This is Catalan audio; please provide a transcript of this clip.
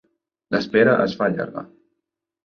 L'espera es fa llarga.